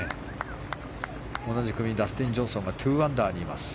同じ組のダスティン・ジョンソンが２アンダーにいます。